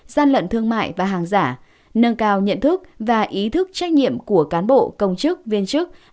gian lận thương mại và hàng giả nâng cao nhận thức và ý thức trách nhiệm của cán bộ công chức viên chức